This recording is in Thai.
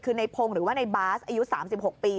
คือในพงศ์หรือว่าในบาสอายุ๓๖ปี